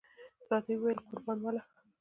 راته وې ویل: قران مله!